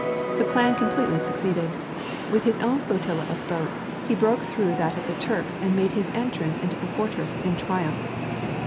The plan completely succeeded. With his own flotilla of boats he broke through that of the Turks and made his entrance into the fortress in triumph.